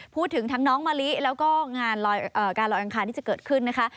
พูดถึงทั้งน้องมะลิแล้วก็งานการลอยอังคารที่จะเกิดขึ้นนะคะ